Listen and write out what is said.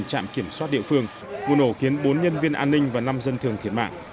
trong khi người bị kiểm soát địa phương vụ nổ khiến bốn nhân viên an ninh và năm dân thường thiệt mạng